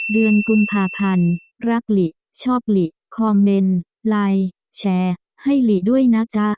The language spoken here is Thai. เดือนกุมภาพันธ์รักหลิชอบหลีคอมเมนต์ไลน์แชร์ให้หลีด้วยนะจ๊ะ